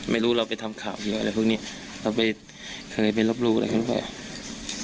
ไม่รู้เราไปทำข่าวหรืออะไรพวกนี้เราเคยไปรบรู้อะไรก็ไม่รู้